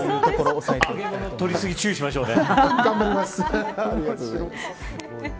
揚げ物とりすぎに注意しましょうね。